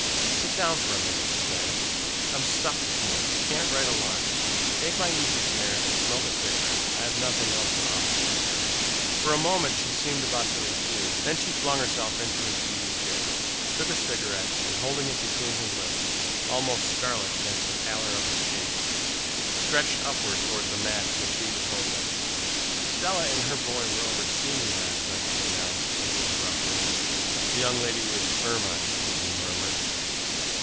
"Sit down for a minute," he begged. "I'm stuck this morning can't write a line. Take my easy chair and smoke a cigarette I have nothing else to offer you." For a moment she seemed about to refuse. Then she flung herself into his easy chair, took a cigarette, and, holding it between her lips, almost scarlet against the pallor of her cheeks, stretched upwards towards the match which he was holding. "Stella and her boy were over to see me last night," she announced, a little abruptly. "The young lady with the ermines," he murmured.